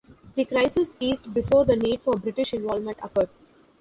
The crisis eased before the need for British involvement occurred.